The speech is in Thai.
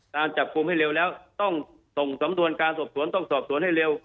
การจับกลุ่มให้เร็วแล้วต้องส่งสำนวนการสอบสวนต้องสอบสวนให้เร็ว